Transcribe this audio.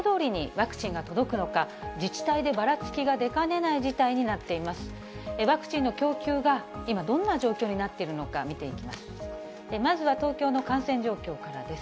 ワクチンの供給が今、どんな状況になっているのか見ていきます。